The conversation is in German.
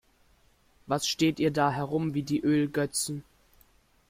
Was steht ihr da herum wie die Ölgötzen?